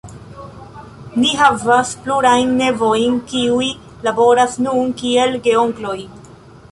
Ni havas plurajn nevojn, kiuj laboras nun kiel geonkloj.